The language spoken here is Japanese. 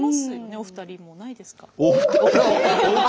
お二人もないですか？